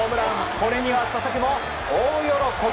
これには佐々木も大喜び。